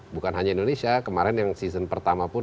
bukan hanya indonesia kemarin yang season pertama pun